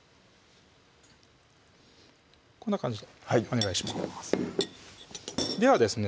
こんな感じでお願いしますではですね